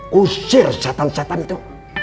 kusir syetan syetan itu